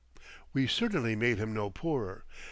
We certainly made him no poorer.